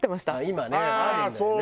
今ねあるんだよね